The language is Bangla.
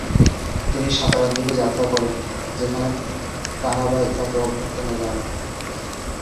তিনি সাতারার দিকে যাত্রা করেন, যেখানে তারাবাই তাকে অভ্যর্থনা জানান।